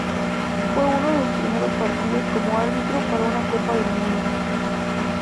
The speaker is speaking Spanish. Fue uno de sus primeros partidos como árbitro para una Copa del Mundo.